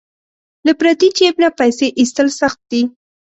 له پردي جیب نه پیسې ایستل سخت دي.